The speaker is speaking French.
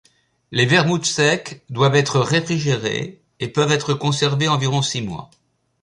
Les vermouths secs doivent être réfrigérés et peuvent être conservés environ six mois.